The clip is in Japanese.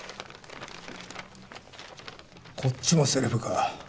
こっちもセレブか。